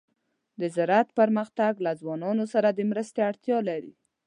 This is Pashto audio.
د زراعت پرمختګ له ځوانانو سره د مرستې اړتیا لري.